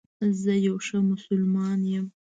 زه یو ښه مسلمان یم